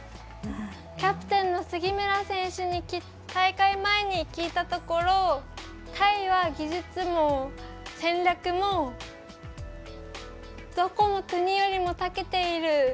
キャプテンの杉村選手に大会前に聞いたところタイは技術も戦略もどこの国よりもたけている。